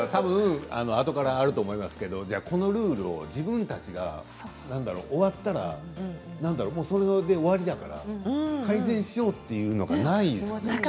でも、このルールを自分たちが終わったらそれで終わりだから改善しようというのがないですよね。